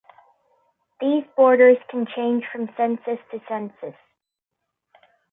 These borders can change from census to census.